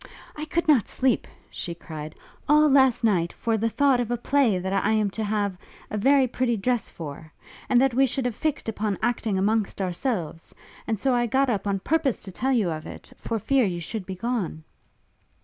'I could not sleep,' she cried, 'all last night, for the thought of a play that I am to have a very pretty dress for; and that we have fixed upon acting amongst ourselves; and so I got up on purpose to tell you of it, for fear you should be gone.'